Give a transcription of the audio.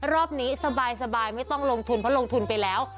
รอบนี้สบายไม่ต้องลงทุนเพราะลงทุนไปแล้ว